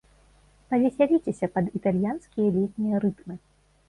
Павесяліцеся пад італьянскія летнія рытмы!